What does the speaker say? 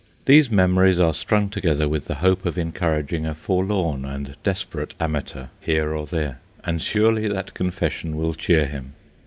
These memories are strung together with the hope of encouraging a forlorn and desperate amateur here or there; and surely that confession will cheer him.